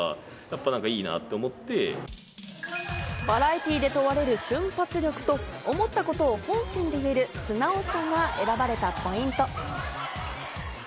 バラエティーでとわれる瞬発力と思ったことを本心で言える素直さが選ばれたポイント。